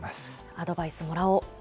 アドバイスもらおう。